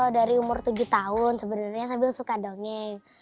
dari umur tujuh tahun sebenarnya sambil suka dongeng